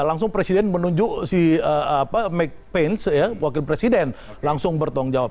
langsung presiden menunjuk si mac pence wakil presiden langsung bertolong jawab